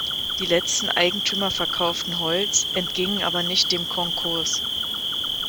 Die letzten Eigentümer verkauften Holz, entgingen aber nicht dem Konkurs.